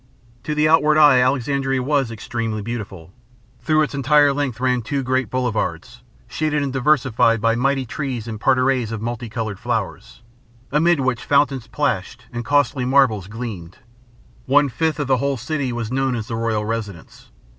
To the outward eye Alexandria was extremely beautiful. Through its entire length ran two great boulevards, shaded and diversified by mighty trees and parterres of multicolored flowers, amid which fountains plashed and costly marbles gleamed. One fifth of the whole city was known as the Royal Residence.